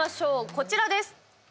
こちらです。